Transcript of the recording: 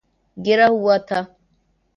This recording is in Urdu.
گرا ہوا تھا